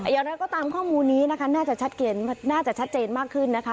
อย่างนั้นก็ตามข้อมูลนี้นะคะน่าจะชัดเจนมากขึ้นนะคะ